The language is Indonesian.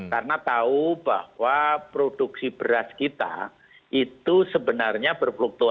karena tahu bahwa produksi beras kita itu sebenarnya berfluktuasi antar waktu